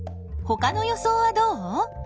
ほかの予想はどう？